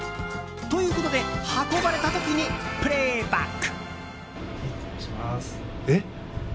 ということで運ばれた時にプレイバック。